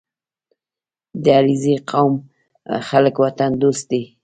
• د علیزي قوم خلک وطن دوست دي.